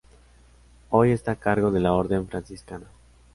Hoy está a cargo de la orden franciscana.